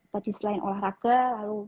tadi selain olahraga lalu